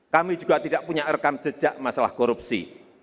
kami juga tidak punya rekam jejak masalah korupsi